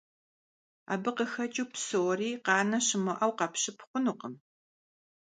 Абы къыхэкӀыу псори къанэ щымыӀэу къэпщып хъунукъым.